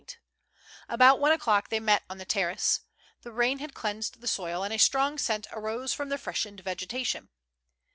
At about one o'clock they met on the terrace. The rain had cleansed the soil, and a strong scent arose from the freshened 148 THE LANDSUP. vegetation.